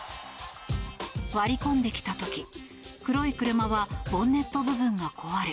割り込んできた時黒い車はボンネット部分が壊れ